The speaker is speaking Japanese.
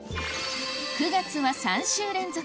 ９月は３週連続